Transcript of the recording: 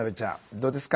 どうですか？